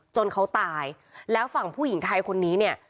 เขาตายแล้วฝั่งผู้หญิงไทยคนนี้เนี่ย